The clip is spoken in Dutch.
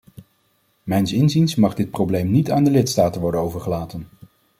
Mijns inziens mag dit probleem niet aan de lidstaten worden overgelaten.